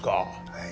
はい。